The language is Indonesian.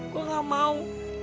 gue gak mau